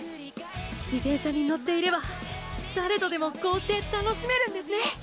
自転車に乗っていれば誰とでもこうして楽しめるんですね！